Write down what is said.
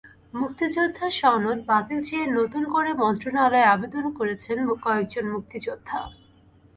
মুক্তিযোদ্ধা সনদ বাতিল চেয়ে নতুন করে মন্ত্রণালয়ে আবেদন করেছেন কয়েকজন মুক্তিযোদ্ধা।